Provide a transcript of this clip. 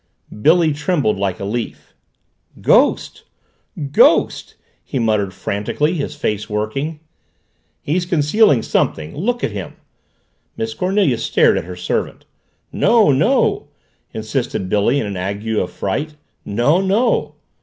Billy trembled like a leaf. "Ghost! Ghost!" he muttered frantically, his face working. "He's concealing something. Look at him!" Miss Cornelia stared at her servant. "No, no!" insisted Billy in an ague of fright. "No, no!"